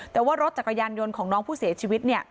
แต่ว่ารถจักรยานยนต์ของน้องผู้เสียชีวิต